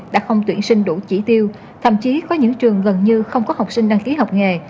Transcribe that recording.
đã không tuyển sinh đủ chỉ tiêu thậm chí có những trường gần như không có học sinh đăng ký học nghề